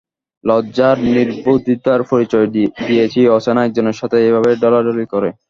লজ্জা আর নির্বুদ্ধিতার পরিচয় দিয়েছি অচেনা একজনের সাথে এভাবে ঢলাঢলি করে।